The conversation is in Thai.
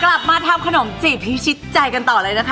กลับมาทำขนมจีบพิชิตใจกันต่อเลยนะคะ